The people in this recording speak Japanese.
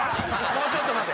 もうちょっと待て。